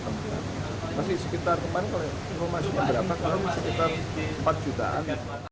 masih sekitar empat jutaan